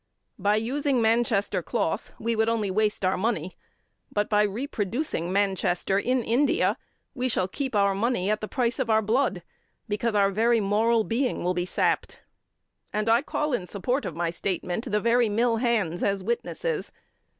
By using Manchester cloth we would only waste our money, but by reproducing Manchester in India, we shall keep our money at the price of our blood, because our very moral being will be sapped, and I call in support of my statement the very mill hands as witnesses.